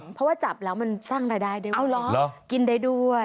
เพราะว่าจับแล้วมันสร้างรายได้ด้วยกินได้ด้วย